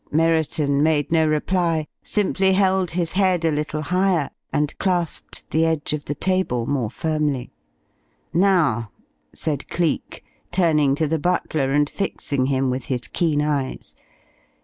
Merriton made no reply, simply held his head a little higher and clasped the edge of the table more firmly. "Now," said Cleek, turning to the butler and fixing him with his keen eyes.